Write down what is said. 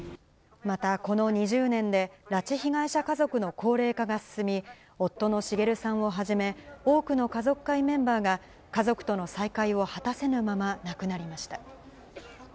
また、この２０年で拉致被害者家族の高齢化が進み、夫の滋さんをはじめ、多くの家族会メンバーが、家族との再会を果たせぬまま亡くなりました。